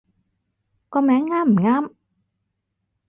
個名啱唔啱